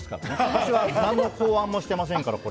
私は何の考案もしてませんから。